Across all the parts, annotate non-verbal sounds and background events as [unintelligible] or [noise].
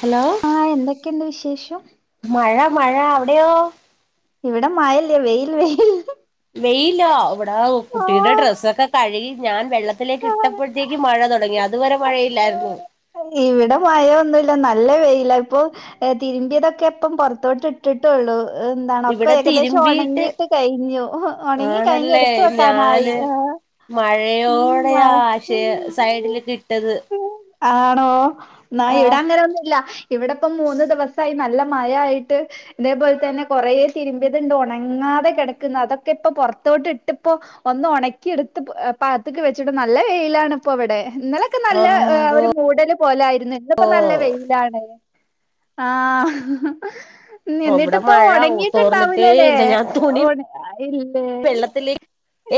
Hello ഹാ എന്തൊക്കെയുണ്ട് വിശേഷം മഴയാ അവിടെയോ? ഇവിടെ മയില്ല. വെയിൽ വെയിൽ വെയിലാ ഇവിടെ കുട്ടിയുടെ ഡ്രസ്സൊക്കെ കഴുകി ഞാൻ വെള്ളത്തിലേക്ക് ഇട്ടപ്പോഴത്തേക്ക് മഴ തുടങ്ങി അതുവരെ മഴയില്ലായിരുന്നു. ഇവിടെ മഴയൊന്നുല്ല നല്ല വെയില ഇപ്പൊ തിരുമ്പിയതൊക്കെ എപ്പം പൊറത്തോട്ട് ഇട്ടിട്ടുള്ളൂ. എന്താണ് ഒക്ക ഇവിടെ ഏകദേശം തിരുമ്പിയിട്ട് ഉണങ്ങിട്ട് കഴിഞ്ഞു ഉണങ്ങി കഴിഞ്ഞു ആണല്ലേ എടുത്ത വെക്കാനായി. ഞാന് ആ മഴയോടെയാ ശേ ഉം സൈഡിലൊക്കെ ഇട്ടത് ആണോ? ന്ന ഇവിടെ ആഹ് അങ്ങനെ ഒന്നുല്ല. ഇവിടെ ഇപ്പ മൂന്ന് ദിവസമായി നല്ല മഴയിട്ട് ഇതേപോലെ തന്നെ കൊറ തിരുമ്പിയതുണ്ട് ഉണങ്ങാതെ കിടക്കുന്നു. അതൊക്കെ ഇപ്പൊ പൊ റത്തോട്ട് ഇട്ടിപ്പോഒന്ന് ഉണക്കി എടുത്ത് പാത്തക്ക് വെച്ചിട്ട നല്ല വെയിലാണിപ്പോ ഇവിടെ. ഇന്നലൊക്കെ നല്ല അമ്പോ കൂടല് പോലൊയിരുന്നു. ഇന്നിപ്പോ നല്ല വെയിലാണ്. ആ അവിടെ നിന്നിട്ടിപ്പ മഴ തോർന്നിട്ടേ ഉണങ്ങിട്ടുണ്ടാവൂലല്ലേ ഇല്ല ഞാൻ തുണി ഇല്ലേ വെള്ളത്തിലേക്ക്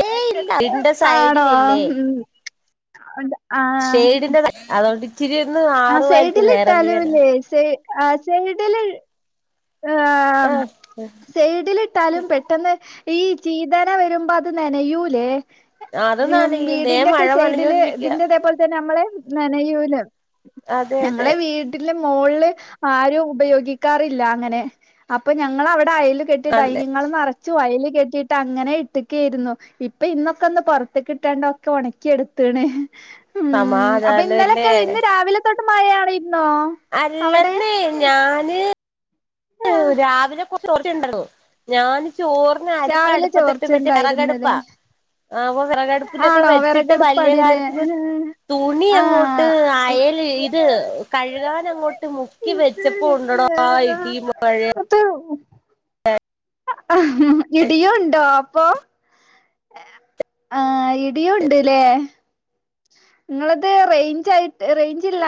ഏയ് ഇല്ല വീടിന്റെ ആണോ? സൈഡിലില്ലേ ഉം. ആഹ് ഷെയഡിന്റെ അതുകൊണ്ട് ഇച്ചിരി ഒന്ന് ആ ആറുവായിരിക്കും. വേറെന്ത് ചെയ്യാനാ? സൈഡിലിട്ടാലുല്ലേ സൈ ആ സെഡില് ആ ആഹ് സൈഡിലിട്ടാലും പെട്ടെന്ന് ഈ ചീതന വരുമ്പോ അത് നെനയൂലേ? അത് നനയും ദേ വീടിന്റെ ഒക്കെ മഴ സൈഡില് നനഞ്ഞോണ്ടിരിക്ക ഇതിന്റെതേപോലെ തന്നെ നമ്മള് നനയൂലേ? അതെ അതെ ഞങ്ങളെ വീട്ടില് മോളിൽ ആരും ഉപയോഗിക്കാറ ഇല്ല അങ്ങനെ അപ്പം ഞങ്ങള് അ അയൽ കെട്ടി നല്ലേ ഡൈനിഹാള് നെ ചുവയൽ കെട്ടിട്ട് അങ്ങനെ ഇട്ടെക്കയിരുന്നു. ഇപ്പ ഇന്നൊക്കെ ഒന്ന് പുറത്തക് ഇട്ടാണ്ട ഒക്കെ ഉണക്കി എടുത്തണ്. ഉം. അപ്പൊ സമാധാനല്ലേ ഇന്നാലൊക്കെ ഇന്ന് രാവിലെ തൊട്ട് മഴയ അല്ലന്നേ ഞാന് ആഹ് രാവിലെ കുറച്ച് [unintelligible] ഞാൻ ചോറിന് അരിക്ക രാവിലെ അടുപ്പത്തിട്ടും മറ്റേ ചോർച്ചണ്ടായിരുന്നില്ലേ വിറകടുപ്പാ ആ അപ്പൊ വിറകടുപ്പിലൊക്കെ ആണോ വെച്ചിട്ട് വലിയ വിറകടുപ്പാണില്ലേ കാര്യത്തില് തുണി അങ്ങോട്ട് ആഹ് അയൽ ഇത് കഴുകാൻ അങ്ങോട്ട് മുക്കി വെച്ചപ്പോ ഉണ്ടടാ യിടിയും മ [unintelligible] [unintelligible] [unintelligible] ഇടിയോ ഉണ്ടോ പോ ആ ഇടിയും ഉണ്ട്ല്ലേ നിങ്ങളത് റേഞ്ച്യി് റേഞ്ച്ല്ല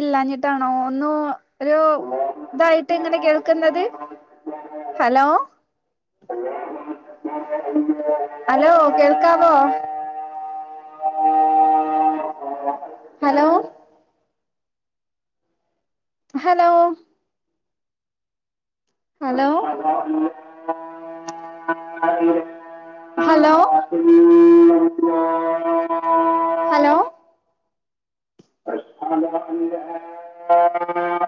ഇല്ലാഞ്ഞിട്ടാണോ ഒന്നു ഒരു ഇതായിട്ട് ഇങ്ങനെ കേൾക്കുന്നത് ഹലോ ഹലോ കേൾക്കാവോ hello hello hello [inaudible] hello [inaudible] hello [unintelligible]